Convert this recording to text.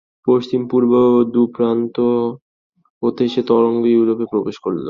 পশ্চিম পূর্ব দুপ্রান্ত হতে সে তরঙ্গ ইউরোপে প্রবেশ করলে।